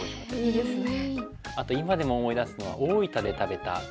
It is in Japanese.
いいですね。